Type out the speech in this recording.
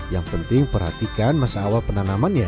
yang penting perhatikan masalah penanamannya